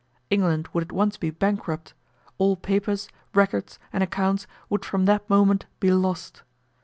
England would at once be bankrupt; all papers, records, and accounts would from that moment be lost.